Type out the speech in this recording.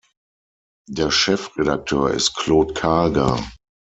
Der Chefredakteur ist Claude Karger.